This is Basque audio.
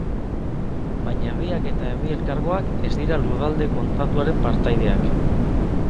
Baina herriak eta herri elkargoak ez dira Lurralde Kontratuaren partaideak.